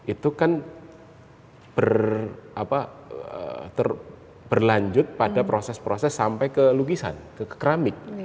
itu kan berlanjut pada proses proses sampai ke lukisan ke keramik